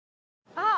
あっ！